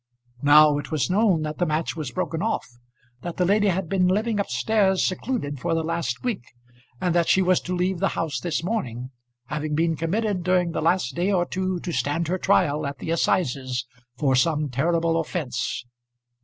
Now it was known that the match was broken off, that the lady had been living up stairs secluded for the last week, and that she was to leave the house this morning, having been committed during the last day or two to stand her trial at the assizes for some terrible offence!